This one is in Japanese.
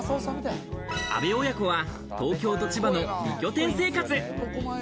阿部親子は東京と千葉の２拠点生活。